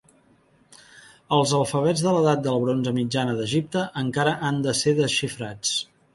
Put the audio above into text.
Els alfabets de l'edat del bronze mitjana d'Egipte encara han de ser desxifrats.